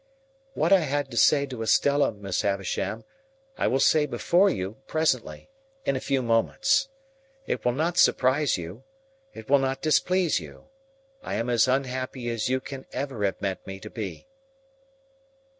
"What I had to say to Estella, Miss Havisham, I will say before you, presently—in a few moments. It will not surprise you, it will not displease you. I am as unhappy as you can ever have meant me to be."